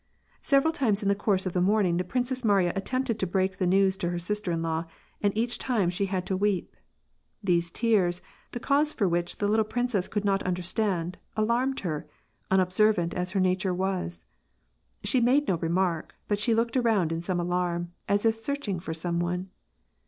Several times in the course of the morning, the Prinoesi Mariya attempted to break the news to hei* sister in law, and each time she had to weep. These tears, the cause for whidi the little princess could not understand, alarmed her, unobsei*' vant as her nature was. She made no remark, but she looked around in some alarm, as if searching for some one.